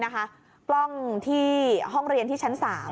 กล้องที่ห้องเรียนที่ชั้น๓